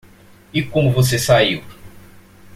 E como você saiu?